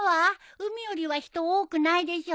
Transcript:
海よりは人多くないでしょ？